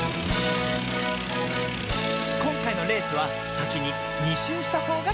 こんかいのレースはさきに２しゅうしたほうがかち。